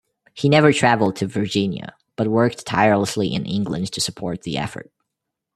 He never travelled to Virginia, but worked tirelessly in England to support the effort.